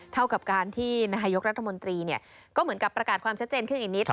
เท่ากับการที่นายกรัฐมนตรีก็เหมือนกับประกาศความชัดเจนขึ้นอีกนิด